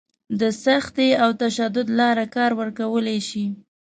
د سختي او تشدد لاره کار ورکولی شي.